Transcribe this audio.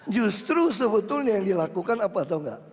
justru sebetulnya yang dilakukan apa atau enggak